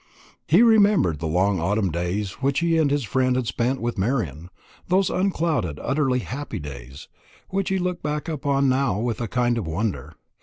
He remembered the long autumn days which he and his friend had spent with Marian those unclouded utterly happy days, which he looked back upon now with a kind of wonder.